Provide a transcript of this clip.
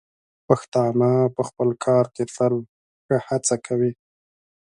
پښتانه په خپل کار کې تل ښه هڅه کوي.